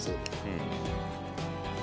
うん。